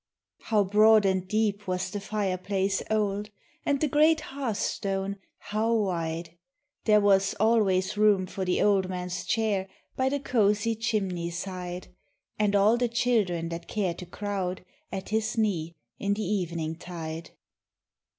HOW broad and deep was the fireplace old, And the great hearth stone how wide! There was always room for the old man's chair By the cosy chimney side, And all the children that cared to crowd At his knee in the evening tide.